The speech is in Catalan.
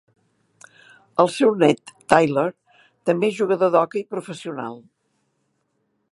El seu net, Tyler, també és jugador d'hoquei professional.